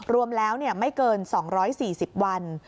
รวมแล้วไม่เกิน๒๔๐วัน